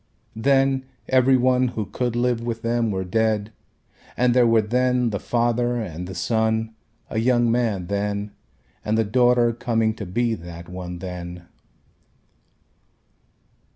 Then every one who could live with them were dead and there were then the father and the son a young man then and the daughter coming to be that one then.